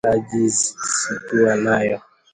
Ajizi sikuwa nayo